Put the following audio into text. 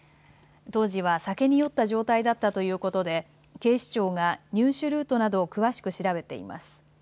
当時は酒に酔った状態だったということで警視庁が入手ルートなどを詳しく調べています。